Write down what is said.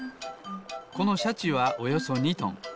このシャチはおよそ２トン。